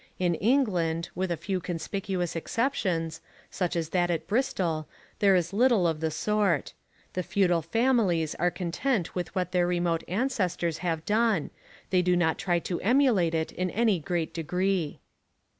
In England, with a few conspicuous exceptions, such as that at Bristol, there is little of the sort. The feudal families are content with what their remote ancestors have done: they do not try to emulate it in any great degree.